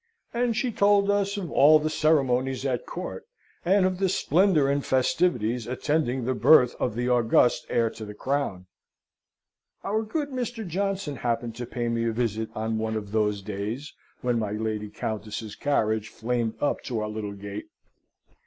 And she told us of all the ceremonies at court, and of the splendour and festivities attending the birth of the august heir to the crown; Our good Mr. Johnson happened to pay me a visit on one of those days when my lady countess's carriage flamed up to our little gate.